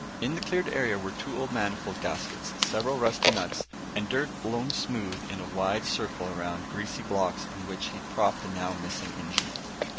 In the cleared area, were two old manifold gaskets, several rusty nuts, and dirt blown smooth in a wide circle around greasy blocks on which he'd propped the now missing engine.